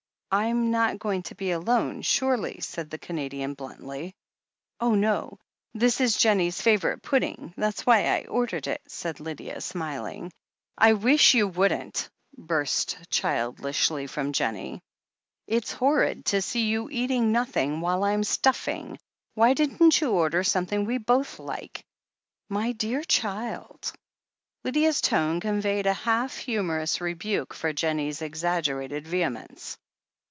"I'm not going to be alone, surely?" said the Cana dian bltmtly. "Oh, no I This is Jennie's favourite pudding — ^that's i^hy I ordered it," said Lydia, smiling. "I wish you wouldn't !" burst childishly from Jennie. 382 THE HEEL OF ACHILLES "It's horrid to see you eating nothing, while I'm stuff ing ! Why didn't you order something we both like ?" "My dear child !" Lydia's tone conveyed a half humorous rebuke for Jennie's exaggerated vehemence.